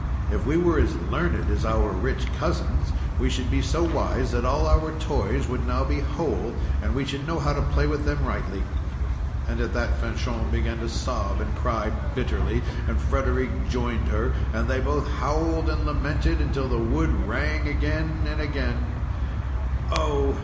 If we were as learned as our rich cousins, we should be so wise that all our toys would now be whole; and we should know how to play with them rightly." And at that Fanchon began to sob and cry bitterly, and Frederic joined her; and they both howled and lamented until the wood rang again and again: "Oh!